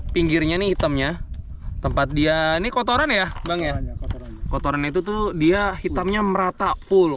pinggirnya nih hitamnya tempat dia ini kotoran ya bang ya kotoran kotoran itu tuh dia hitamnya merata full